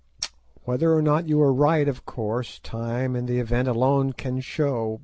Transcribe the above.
Whether or not you are right, of course time and the event alone can show.